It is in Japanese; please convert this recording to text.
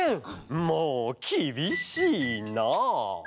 もうきびしいなあ。